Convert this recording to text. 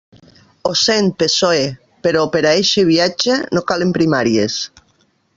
Ho sent PSOE, però per a eixe viatge, no calen primàries.